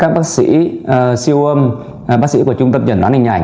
các bác sĩ siêu âm bác sĩ của trung tâm chẩn đoán hình ảnh